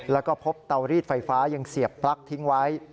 แล้วก็พบเตารีดไฟฟ้ายังเสียบปลั๊กทิ้งไว้